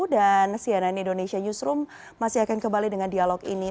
cnn indonesia newsroom masih akan kembali dengan dialog ini